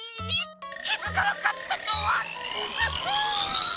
きづかなかったとはンヅフッ！